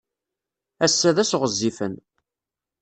Ass-a d ass ɣezzifen.